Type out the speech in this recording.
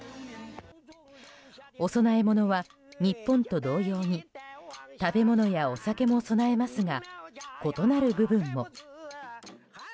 お供え物は日本と同様に食べ物やお酒も供えますが異なる部分も。